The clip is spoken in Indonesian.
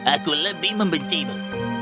aku lebih membencimu